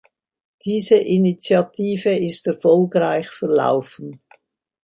Diese Initiative ist erfolgreich verlaufen.